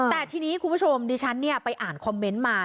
แต่ทีนี้คุณผู้ชมดิฉันไปอ่านคอมเมนต์มา